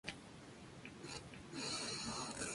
El lugar es propiedad de Gobierno de Samoa Americana.